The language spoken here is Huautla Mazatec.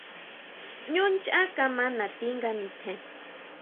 Ñú nchán kama nati nga nitjen.